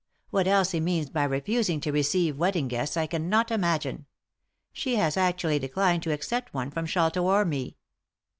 What Elsie means by re fusing to receive wedding presents I cannot imagine. She has actually declined to accept one from Sholto or me."